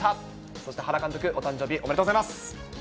そして、原監督、お誕生日おめでとうございます。